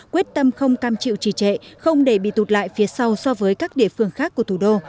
quyết tâm không cam chịu trì trệ không để bị tụt lại phía sau so với các địa phương khác của thủ đô